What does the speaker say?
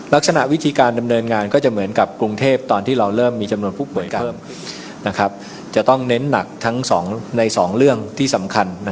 ลักษณะวิธีการดำเนินงานก็จะเหมือนกับกรุงเทพตอนที่เราเริ่มมีจำนวนผู้ป่วยเพิ่มจะต้องเน้นหนักทั้งใน๒เรื่องที่สำคัญ